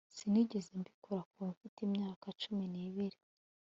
sinigeze mbikora kuva mfite imyaka cumi n'ibiri